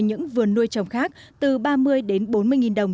những vườn nuôi trồng khác từ ba mươi bốn mươi đồng